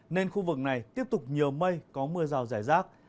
nên khu vực này tiếp tục nhiều mây có mưa rào rải rác